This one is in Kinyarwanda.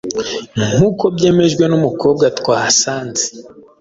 nk’uko byemejwe n’umukobwa twahasanze